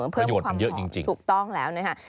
เพิ่มความหอมถูกต้องแล้วนะครับ